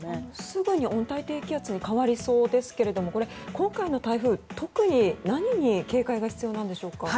すぐに温帯低気圧に変わりそうですけれども今回の台風、特に何に警戒が必要なんでしょうか。